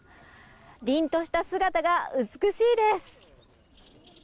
凛とした姿が美しいです。